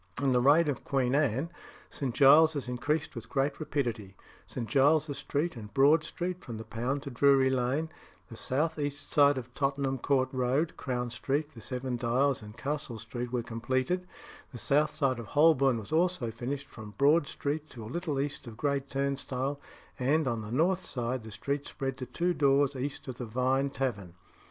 In the reign of Queen Anne, St. Giles's increased with great rapidity St. Giles's Street and Broad Street from the Pound to Drury Lane, the south east side of Tottenham Court Road, Crown Street, the Seven Dials, and Castle Street were completed; the south side of Holborn was also finished from Broad Street to a little east of Great Turnstile, and, on the north side, the street spread to two doors east of the Vine Tavern.